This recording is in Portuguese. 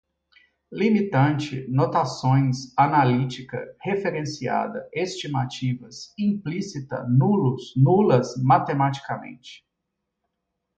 limitante, notações, analítica, referenciada, estimativas, implícita, nulos, nulas, matematicamente